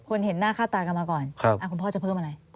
คนเห็นหน้าฆ่าตากันมาก่อนครับอ่าคุณพ่อจะเพิ่มอะไร